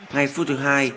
ngày phút thứ hai